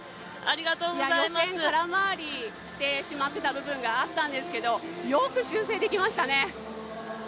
予選、空回りしてしまっていた部分があったんですけどよく修正できましたね。